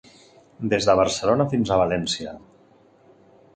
Des de Barcelona fins a València.